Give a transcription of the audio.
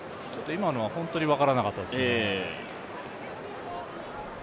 今のは本当に分からなかったですね。